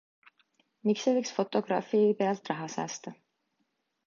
Miks ei võiks fotograafi pealt raha säästa?